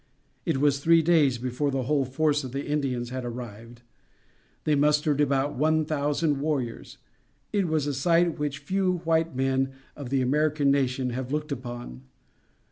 It was three days before the whole force of the Indians had arrived. They mustered about one thousand warriors. It was a sight which few white men of the American nation have looked upon.